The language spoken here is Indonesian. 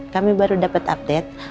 kami baru dapat update